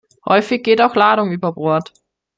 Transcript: Häufig geht auch Ladung über Bord.